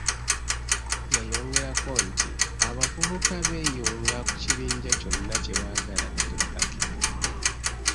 Yayongerako nti abavubuka beeyunga ku kibinja kyonna kye baagala nga tebakakiddwa.